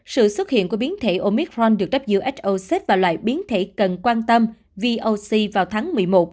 sự xuất hiện của biến thể omicron được who xếp vào loại biến thể cần quan tâm voc vào tháng một mươi một